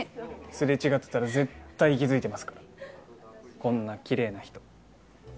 すれ違ってたら絶対気付いてますからこんなきれいな人。